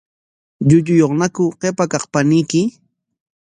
¿Llulluyuqñaku qipa kaq paniyki?